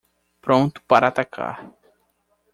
Pronto para atacar